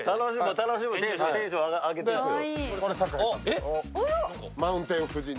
楽しむ、テンション上げていくよ。